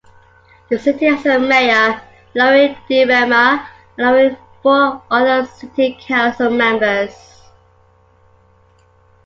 The city has a mayor, Lori DeRemer, along with four other city council members.